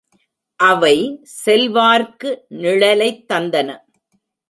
அவை செல்வார்க்கு நிழலைத் தந்தன.